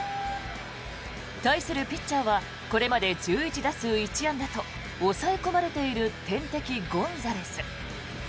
対するピッチャーはこれまで１１打数１安打と抑え込まれている天敵・ゴンザレス。